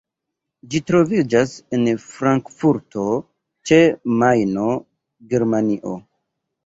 Ĝi troviĝas en Frankfurto ĉe Majno, Germanio.